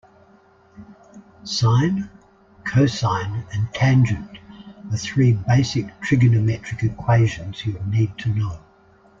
Sine, cosine and tangent are three basic trigonometric equations you'll need to know.